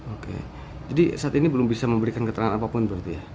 oke jadi saat ini belum bisa memberikan keterangan apapun berarti ya